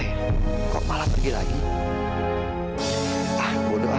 selamat tinggal amira